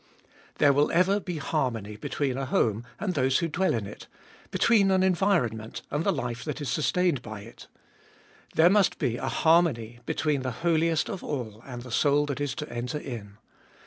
There will ever be harmony between a home and those who dwell in it, between an environment and the life that is sustained by it. There must be harmony between the Holiest of All and the soul that is to enter in.